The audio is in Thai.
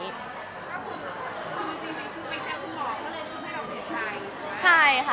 ก็คือคุณพุทธิสิทธิ์คือไปแท้คุณหมอก็เลยช่วยให้เราเบียดใจ